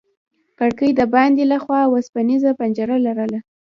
کړکۍ د باندې له خوا وسپنيزه پنجره لرله.